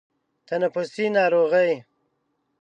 تنفسي ناروغۍ